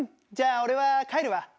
じゃあ俺は帰るわ。